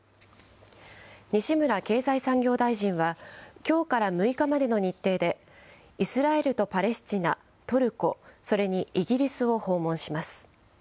西村経済産業大臣は、きょうから６日までの日程で、イスラエルとパレスチナ、トルコ、それにイギリスを訪問します。